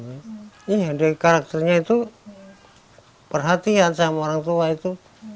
iya dari karakternya itu perhatian sama orang tua itu